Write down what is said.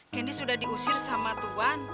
candy sudah diusir sama tuan